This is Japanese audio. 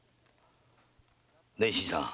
ねえ新さん